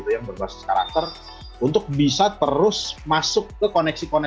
yang berbasis karakter untuk bisa terus masuk ke koneksi koneksi lainnya